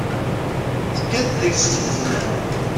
Tekkat deg-s zznezla.